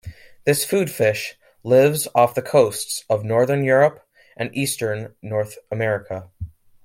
This food fish lives off the coasts of northern Europe and eastern North America.